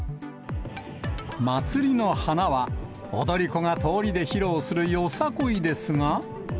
祭りの華は、踊り子が通りで披露するよさこいですが。